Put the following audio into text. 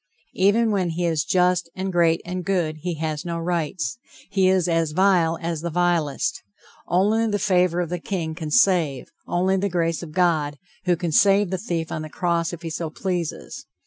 Even when he is just and great and good, he has no rights, he is as vile as the vilest. Only the favor of the king can save, only the grace of God, who can save the thief on the cross if he so pleases.